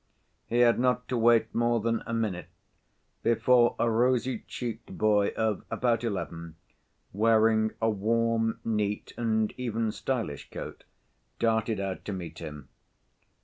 He had not to wait more than a minute before a rosy‐cheeked boy of about eleven, wearing a warm, neat and even stylish coat, darted out to meet him.